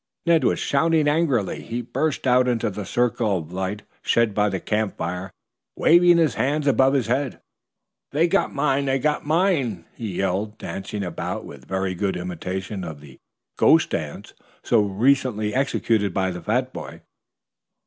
Ned was shouting angrily. He burst out into the circle of light shed by the camp fire, waving his hands above his head. "They've got mine, they've got mine!" he yelled, dancing about with a very good imitation of the ghost dance so recently executed by the fat boy.